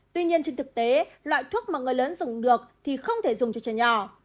tuy nhiên trên thực tế loại thuốc mà người lớn dùng được thì không thể dùng cho trẻ nhỏ